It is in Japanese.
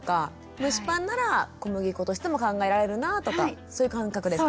蒸しパンなら小麦粉としても考えられるなとかそういう感覚ですか？